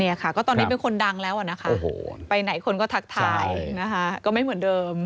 ค่ะก็ตอนนี้เป็นคนดังแล้วนะคะไปไหนคนก็ทักทายนะคะก็ไม่เหมือนเดิม